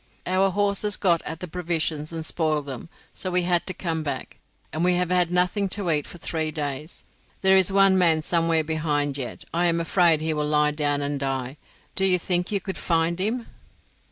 "Our horses got at the provisions and spoiled them; so we had to come back, and we have had nothing to eat for three days. There is one man somewhere behind yet; I am afraid he will lie down and die. Do you think you could find him?"